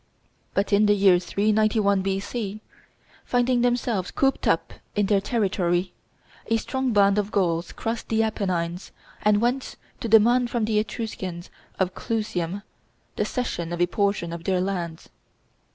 But in the year 391 B.C., finding themselves cooped up in their territory, a strong band of Gauls crossed the Apennines, and went to demand from the Etruscans of Clusium the cession of a portion of their lands.